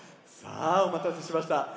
さあおまたせしました。